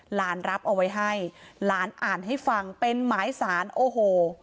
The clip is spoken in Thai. รับเอาไว้ให้หลานอ่านให้ฟังเป็นหมายสารโอ้โห